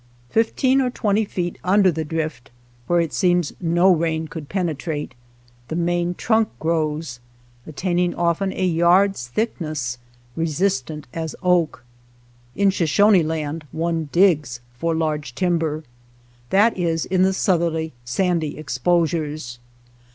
Fifteen or twenty' feet under the drift, where it seems no rain could penetrate, the main trunk grows, attaining often a yard's thickness, resist ant as oak. In Shoshone Land one digs for large timber ; that is in the southerly, sandy exposures.